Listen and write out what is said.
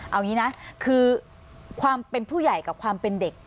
เอางี้นะคือความเป็นผู้ใหญ่กับความเป็นเด็ก